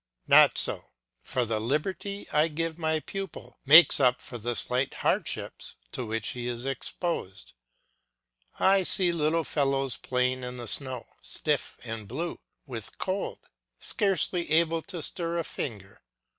Not so; for the liberty I give my pupil makes up for the slight hardships to which he is exposed. I see little fellows playing in the snow, stiff and blue with cold, scarcely able to stir a finger.